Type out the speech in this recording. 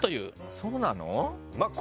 そうなの？